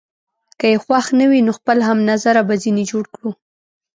که يې خوښ نه وي، نو خپل هم نظره به ځینې جوړ کړو.